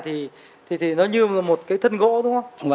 thì nó như một cái thân gỗ đúng không